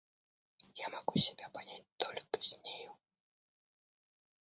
Я могу себя понять только с нею.